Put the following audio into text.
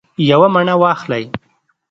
یوه مڼه واخلئ